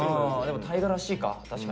でも大河らしいか。